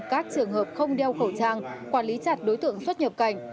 các trường hợp không đeo khẩu trang quản lý chặt đối tượng xuất nhập cảnh